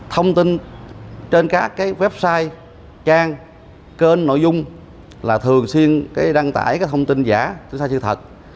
thông tin trên các website trang kênh nội dung là thường xuyên đăng tải thông tin giả tin sai sự thật